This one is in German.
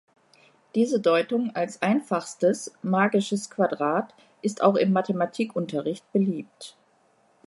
Diese Deutung als einfachstes magisches Quadrat ist auch im Mathematikunterricht beliebt.